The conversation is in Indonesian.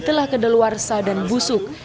telah ke dalwarsa dan busuk